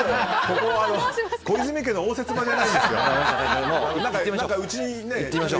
ここは小泉家の応接間じゃないんですよ。